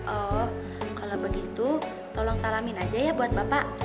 oh kalau begitu tolong salamin aja ya buat bapak